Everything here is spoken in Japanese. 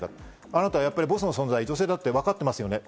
あなたはボスの存在、女性だとわかってますよね？と。